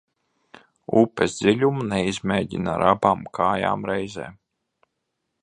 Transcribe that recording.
Upes dziļumu neizmēģina ar abām kājām reizē.